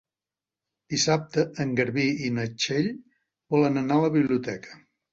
Dissabte en Garbí i na Txell volen anar a la biblioteca.